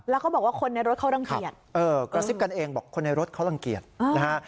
แล้วก็บอกว่าคนในรถเขารังเกียจเออกระซิบกันเองบอกคนในรถเขารังเกียจนะฮะ